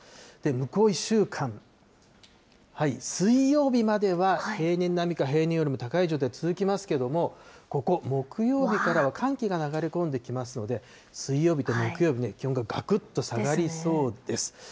向こう１週間、水曜日までは平年並みか、平年よりも高い状態続きますけれども、ここ、木曜日からは寒気が流れ込んできますので、水曜日と木曜日、気温ががくっと下がりそうです。